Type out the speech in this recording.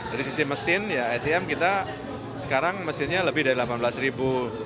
dari sisi mesin sekarang mesinnya lebih dari rp delapan belas